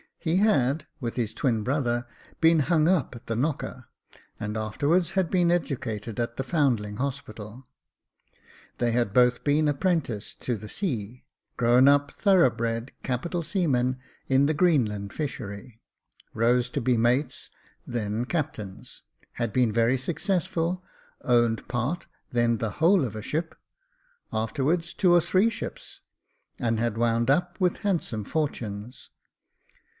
He had, with his twin brother, been hung up at the knocker, and afterwards had been educated at the Foundling Hospital ; they had both been apprenticed to the sea ; grown up thorough bred, capital seamen, in the Greenland fishery ; rose to be mates, then captains ; had been very successful, owned part, then the whole of a ship, afterwards two or three ships j and had wound up with handsome fortunes.